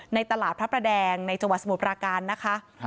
ในตลาดพระประแดงในจังหวัดสมุทรปราการนะคะ